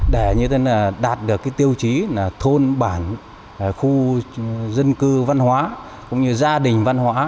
để đạt được tiêu chí thôn bản khu dân cư văn hóa cũng như gia đình văn hóa